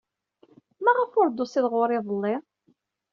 Maɣef ur d-tusid ɣer-i iḍelli?